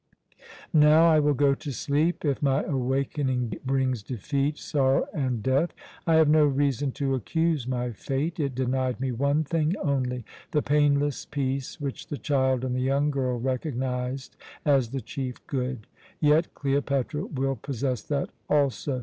"Now I will go to sleep. If my awakening brings defeat, sorrow, and death, I have no reason to accuse my fate. It denied me one thing only: the painless peace which the child and the young girl recognized as the chief good; yet Cleopatra will possess that also.